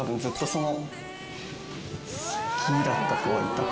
その。